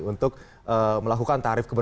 untuk melakukan tarif keperluan